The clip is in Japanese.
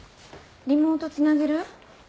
リモートつなげる？